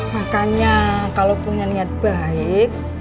makanya kalau punya niat baik